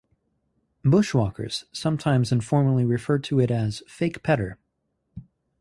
Bushwalkers sometimes informally refer to it as "Fake Pedder".